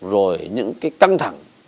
rồi những cái căng thẳng